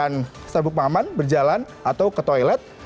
anda mungkin bisa menegangkan sabuk pengaman berjalan atau ke toilet